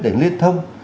để liên thông